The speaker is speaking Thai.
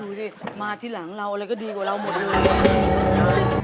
ดูสิมาที่หลังเราอะไรก็ดีกว่าเราหมดเลย